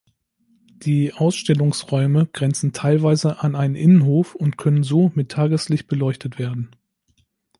Die Ausstellungsräume grenzen teilweise an einen Innenhof und können so mit Tageslicht beleuchtet werden.